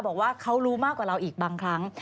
บอกว่าเขารู้มากกว่าเราอีกบางครั้ง